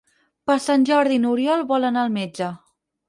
Per Sant Jordi n'Oriol vol anar al metge.